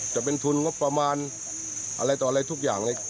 จะเป็นทุนงบประมาณอะไรต่ออะไรทุกอย่างเลย